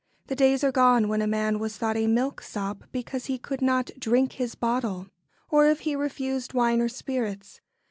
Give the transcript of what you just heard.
The days are gone when a man was thought a milksop because he could not "drink his bottle," or if he refused wine or spirits.